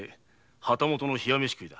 旗本の冷や飯食いだ。